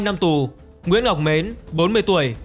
hai năm tù nguyễn ngọc mến bốn mươi tuổi